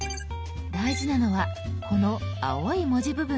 大事なのはこの青い文字部分です。